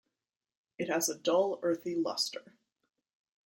It has a dull, earthy lustre.